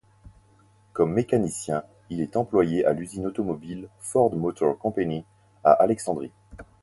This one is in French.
Comme mécanicien, il est employé à l'usine automobile Ford Motor Company à Alexandrie.